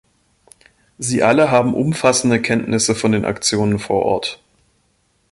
Sie alle haben umfassende Kenntnisse von den Aktionen vor Ort.